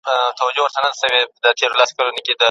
لویه جرګه کله د هیواد له پاره نوي لاره پرانیزي؟